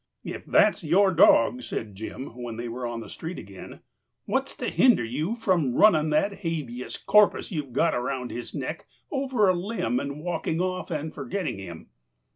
"If that's your dog," said Jim, when they were on the street again, "what's to hinder you from running that habeas corpus you've got around his neck over a limb and walking off and forgetting him?"